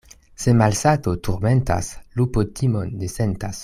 Se malsato turmentas, lupo timon ne sentas.